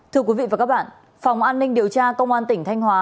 thưa quý vị và các bạn phòng an ninh điều tra công an tỉnh thanh hóa